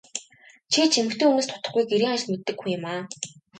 Чи ч эмэгтэй хүнээс дутахгүй гэрийн ажил мэддэг хүн юмаа.